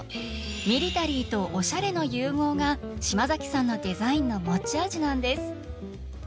ミリタリーとオシャレの融合が嶋さんのデザインの持ち味なんです。